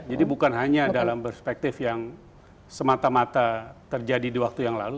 jadi bukan hanya dalam perspektif yang semata mata terjadi di waktu yang lalu